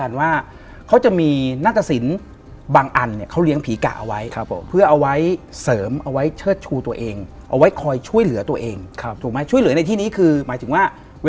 สวัสดีครับพี่แจ๊กสวัสดีครับ